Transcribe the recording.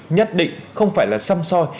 nhất định không phải là xăm soi